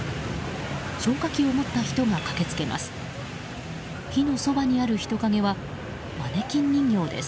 消火器を持った人が駆けつけます。